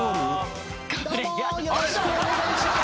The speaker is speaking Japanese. よろしくお願いします。